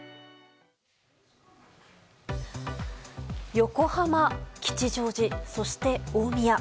横浜、吉祥寺、そして大宮。